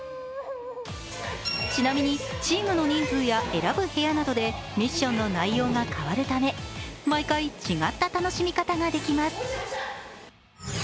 ちなみに、チームの人数や選ぶ部屋などでミッションの内容が変わるため毎回違った楽しみ方ができます。